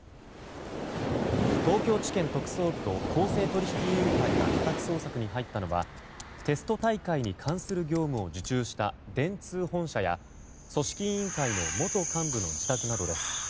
東京地検特捜部と公正取引委員会が家宅捜索に入ったのはテスト大会に関する業務を受注した電通本社や組織委員会の元幹部の自宅などです。